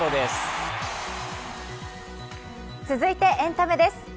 続いてエンタメです。